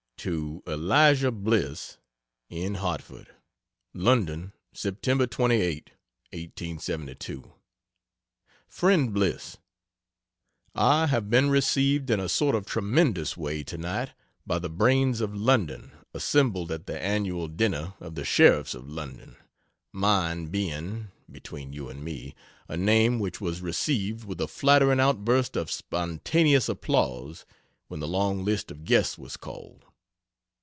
To Elisha Bliss, in Hartford: LONDON, Sept. 28, 1872. FRIEND BLISS, I have been received in a sort of tremendous way, tonight, by the brains of London, assembled at the annual dinner of the Sheriffs of London mine being (between you and me) a name which was received with a flattering outburst of spontaneous applause when the long list of guests was called.